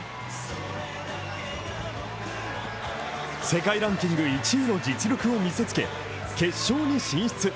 世界ランキング１位の実力を見せつけ決勝に進出。